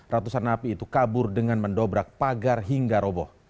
ratusan napi itu kabur dengan mendobrak pagar hingga roboh